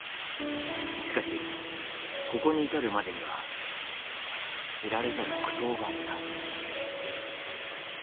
しかしここに至るまでには知られざる苦闘があった。